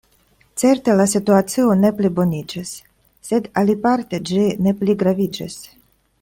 Certe la situacio ne pliboniĝis; sed aliparte ĝi ne pligraviĝis.